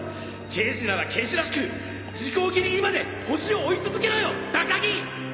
刑事なら刑事らしく時効ギリギリまでホシを追い続けろよ高木！